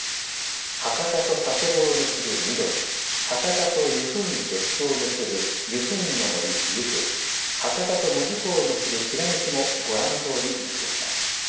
博多と佐世保を結ぶみどり、博多と湯布院、別府を結ぶゆふいんの森、ゆふ、博多と門司港を結ぶきらめきもご覧のとおり運休します。